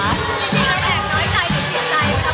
จริงแล้วแบบน้อยใจหรือเสียใจ